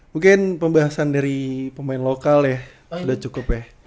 mungkin pembahasan dari pemain lokal ya sudah cukup ya